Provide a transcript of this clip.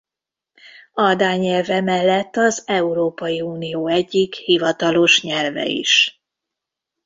A dán nyelv emellett az Európai Unió egyik hivatalos nyelve is.